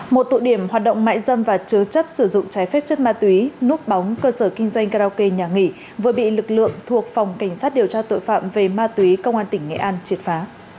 một tụ điểm hoạt động mại dâm và chứa chấp sử dụng trái phép chất ma túy núp bóng cơ sở kinh doanh karaoke nhà nghỉ vừa bị lực lượng thuộc phòng cảnh sát điều tra tội phạm về ma túy công an tỉnh nghệ an triệt phá